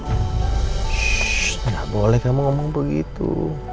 sssh gak boleh kamu ngomong begitu